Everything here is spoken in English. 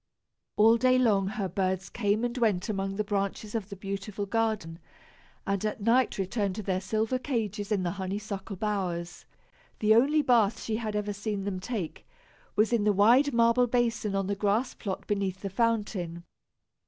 All day long her birds came and went among the branches of the beautiful garden, and at night returned to their silver cages in the honeysuckle bowers. The only bath she had ever seen them take, was in the wide marble basin on the grass plot beneath the fountain.